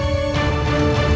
terima kasih raden